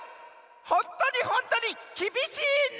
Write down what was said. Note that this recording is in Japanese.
ほんとにほんとにきびしいな」です！